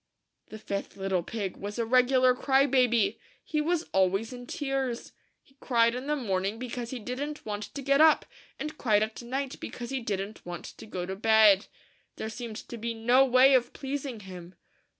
The fifth little pig was a regular cry baby. He was always in tears. He cried in the morning because he didn't want to get up ; and cried at night because he didn't want to go to bed. There seemed to be no way of pleasing him.